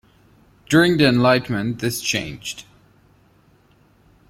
During the Enlightenment this changed.